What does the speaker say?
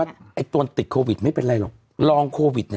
แต่แบบว่าจริงรองโควิดอ่ะ